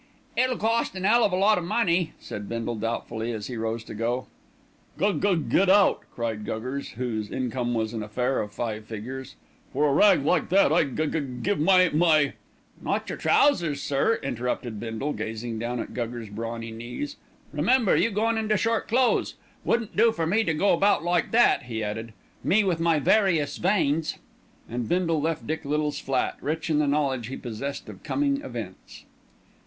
"It'll cost an 'ell of a lot of money," said Bindle doubtfully as he rose to go. "Gug gug get out!" cried Guggers, whose income was an affair of five figures. "For a rag like that I'd gug gug give my my " "Not your trousers, sir," interrupted Bindle, gazing down at Guggers' brawny knees; "remember you gone into short clothes. Wouldn't do for me to go about like that," he added, "me with my various veins." And Bindle left Dick Little's flat, rich in the knowledge he possessed of coming events.